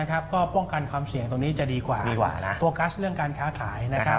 ก็ป้องกันความเสี่ยงตรงนี้จะดีกว่าโฟกัสเรื่องการค้าขายนะครับ